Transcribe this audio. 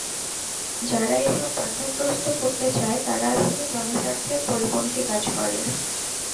যারা এসব বাধাগ্রস্ত করতে চায়, তারা আসলে জনস্বার্থের পরিপন্থী কাজ করে।